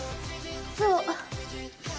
そう。